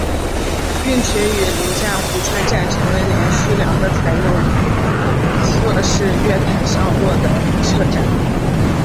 并且与邻站壶川站成为连续两个采用侧式月台上落的车站。